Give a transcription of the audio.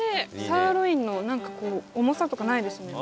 サーロインのなんかこう重さとかないですね。